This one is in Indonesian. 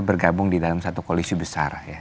bergabung di dalam satu koalisi besar ya